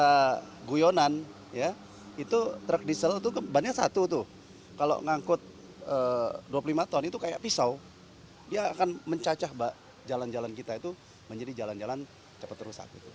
kalau guyonan ya itu truk diesel itu bannya satu tuh kalau ngangkut dua puluh lima ton itu kayak pisau dia akan mencacah jalan jalan kita itu menjadi jalan jalan cepat rusak